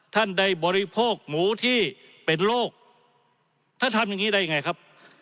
ท่านได้บริโภคหมูที่เป็นโรคท่านทำอย่างนี้ได้ยังไงครับ